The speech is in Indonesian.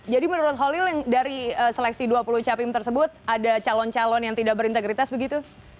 jadi menurut holil dari seleksi dua puluh capim tersebut ada calon calon yang tidak berintegritas begitu